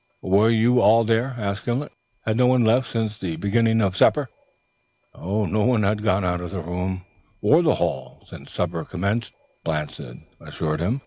"Were you all there?" asked Gimblet. "Had no one left since the beginning of supper?" "No one had gone out of the room or the hall since supper commenced," Blanston assured him.